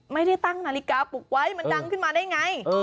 ไม่ได้ตั้งนาฬิกาปลุกไว้มันดังขึ้นมาได้ไง